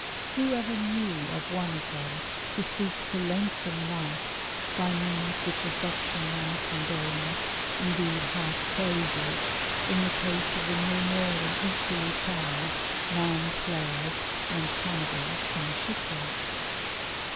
Who ever knew of one of them to seek to lengthen life by means which a section now condones, indeed half praises, in the case of the no more than equally tried man slayers and cannibals in a shipwreck